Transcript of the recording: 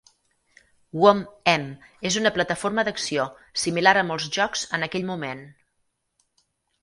"Whomp 'Em" és una plataforma d'acció, similar a molts jocs en aquell moment.